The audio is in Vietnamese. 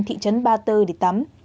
thị trấn ba tơ để tắm